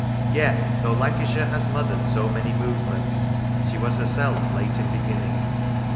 Yet, though Lancashire has mothered so many movements, she was herself late in beginning.